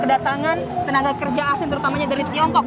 kedatangan tenaga kerja asing terutamanya dari tiongkok